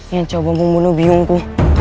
yang coba membunuh byungku